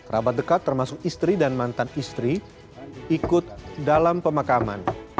kerabat dekat termasuk istri dan mantan istri ikut dalam pemakaman